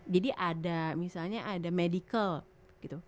jadi ada misalnya ada medical gitu